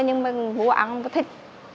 nhưng mà vua ăn thịt